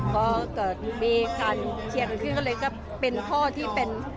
พอเกิดมีการเคลียร์กันขึ้นก็เลยก็เป็นพ่อที่เป็น